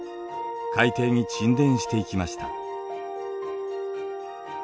海底に沈殿していきました。